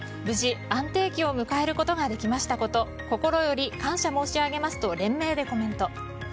無事、安定期を迎えることができましたこと心より感謝申し上げますと連名でコメント。